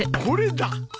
これだ！